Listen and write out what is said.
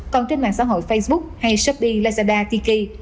còn trên mạng xã hội facebook hay shopee lazada tiki